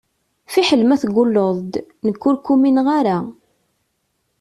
Fiḥel ma tegulleḍ-d, nekk ur k-umineɣ ara.